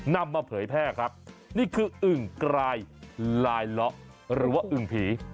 นำมาเผยแพร่ครับนี่คืออึ่งกรายลายเลาะหรือว่าอึ่งผี